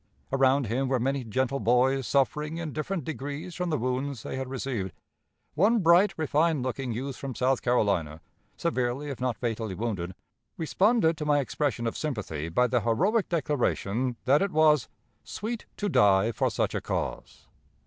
Around him were many gentle boys, suffering in different degrees from the wounds they had received. One bright, refined looking youth from South Carolina, severely if not fatally wounded, responded to my expression of sympathy by the heroic declaration that it was "sweet to die for such a cause."